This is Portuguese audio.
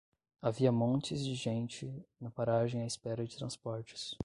Havia montes de gente na paragem à espera de transportes.